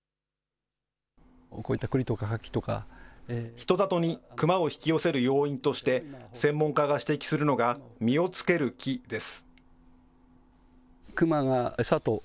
人里にクマを引き寄せる要因として、専門家が指摘するのが実をつける木です。